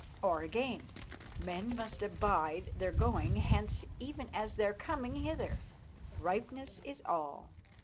Or again " Men must abide Their going hence even as their coming hither, Ripeness is all."